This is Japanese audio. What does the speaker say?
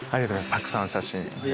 たくさん写真。